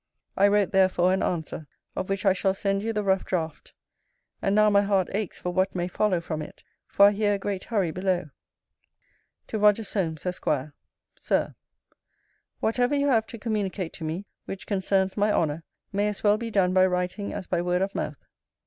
I wrote therefore an answer, of which I shall send you the rough draught. And now my heart aches for what may follow from it; for I hear a great hurry below. TO ROGER SOLMES, ESQ. SIR, Whatever you have to communicate to me, which concerns my honour, may as well be done by writing as by word of mouth.